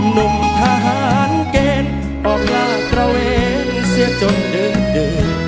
หนุ่มทหารเกณฑ์ออกหลากตระเวนเสื้อจนเดินเดิน